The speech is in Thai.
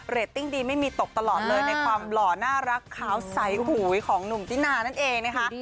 ตติ้งดีไม่มีตกตลอดเลยในความหล่อน่ารักขาวใสหูยของหนุ่มตินานั่นเองนะคะ